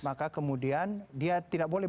maka kemudian dia tidak boleh